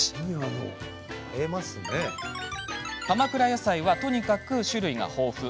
やさいはとにかく種類が豊富。